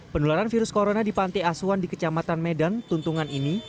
penularan virus corona di pantai asuhan di kecamatan medan tuntungan ini